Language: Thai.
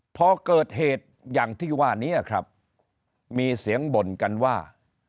พอเกิดเหตุอย่างที่ว่านี้ครับมีเสียงบ่นกันว่า